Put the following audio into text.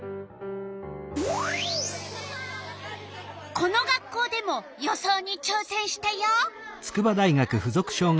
この学校でも予想にちょうせんしたよ。